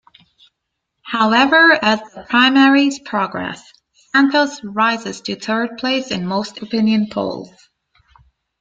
However, as the primaries progress, Santos rises to third place in most opinion polls.